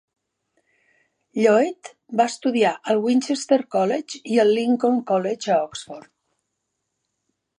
Lloyd va estudiar al Winchester College i al Lincoln College, a Oxford.